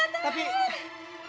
saya gak tahu